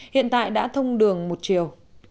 hiện tại đã thông đường một chiều